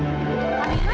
mudah hati hati ya